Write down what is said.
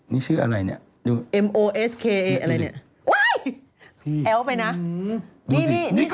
นี่ทหารโบกนี่ทหารอากาศ